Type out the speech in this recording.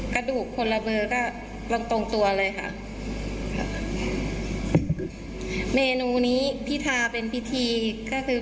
กระดูกคนละเบิร์นก็ตรงตัวเลยค่ะค่ะเมนูนี้พี่ทาเป็นพิธีก็คือ